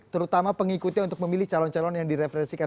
terutama pengikutnya untuk memilih calon calon yang direferensikan